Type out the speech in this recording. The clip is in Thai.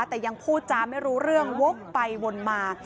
แต่ยังพูดจาไม่รู้เรื่องวกไปวนมา